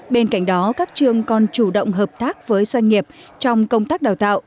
bên cạnh đó các trường còn chủ động hợp tác với doanh nghiệp trong công tác đào tạo